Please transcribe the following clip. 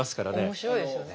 面白いですよね。